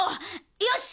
よし！